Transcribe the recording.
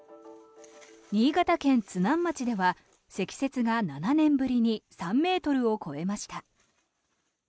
新潟県津南町では積雪が７年ぶりに３ｍを超えました。